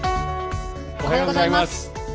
おはようございます。